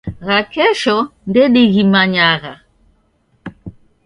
Gha kesho ndedighimanyagha.